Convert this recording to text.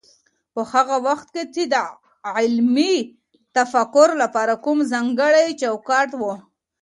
په هغه وخت کي د علمي تفکر لپاره کوم ځانګړی چوکاټ و؟